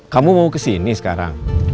kamu mau kesini sekarang